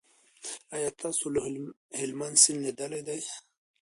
آیا تاسو کله د هلمند سیند لیدلی دی؟